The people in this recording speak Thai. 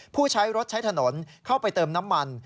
ผู้ใช้รถใช้ถนนเข้าไปเติมน้ำมัน